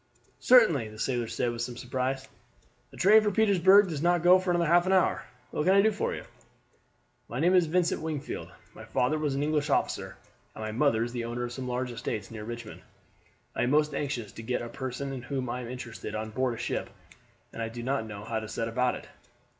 "Certainly," the sailor said with some surprise. "The train for Petersburg does not go for another half hour. What can I do for you?" "My name is Vincent Wingfield. My father was an English officer, and my mother is the owner of some large estates near Richmond. I am most anxious to get a person in whom I am interested on board ship, and I do not know how to set about it."